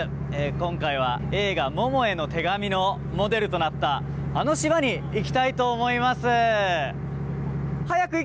今回は映画「ももへの手紙」のモデルとなったあの島に行きたいと思います。